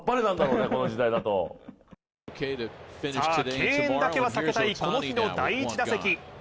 敬遠だけは避けたいこの日の第１打席。